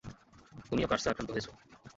তুমিও কার্সে আক্রান্ত হয়েছো?